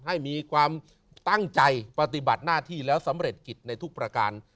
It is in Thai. ให้มีความตั้งใจปฏิบัติหน้าที่แล้วสำเร็จกิจในทุกประการ